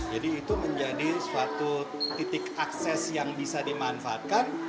jadi itu menjadi suatu titik akses yang bisa dimanfaatkan